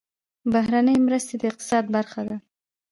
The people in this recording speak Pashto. بهرنۍ مرستې د اقتصاد برخه ده